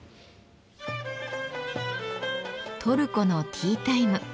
トルコのティータイム。